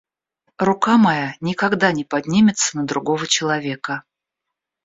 Рука моя никогда не поднимется на другого человека.